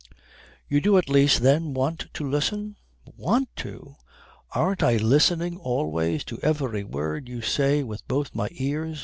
"You do at least then want to listen?" "Want to? Aren't I listening always to every word you say with both my ears?